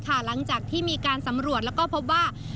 หลังจากที่มีการสำรวจแล้วก็พบว่า